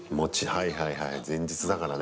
はいはいはい、前日だからね。